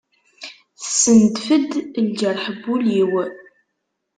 Tessendef-d lǧerḥ n wul-iw.